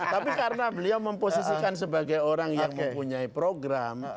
tapi karena beliau memposisikan sebagai orang yang mempunyai program